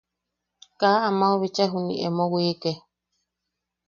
Kaa a amau bicha juniʼi emo wike.